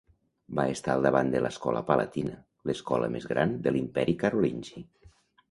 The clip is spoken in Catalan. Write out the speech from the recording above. Va estar al davant de l'Escola Palatina, l'escola més gran de l'Imperi carolingi.